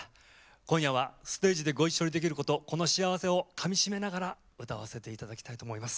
今夜はステージでご一緒できるこの幸せをかみ締めながら歌わせていただきます。